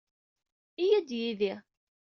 Iyya-d yid-i.